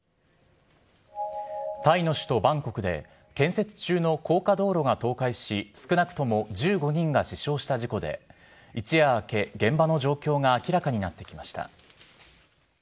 タイの首都バンコクで、建設中の高架道路が倒壊し、少なくとも１５人が死傷した事故で、一夜明け、現場の状況が明らかになってきました。